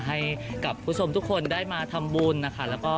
ให้กับผู้ชมทุกคนได้มาทำบุญนะคะ